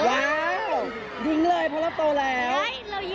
ว้าวทิ้งเลยเพราะเราโตแล้ว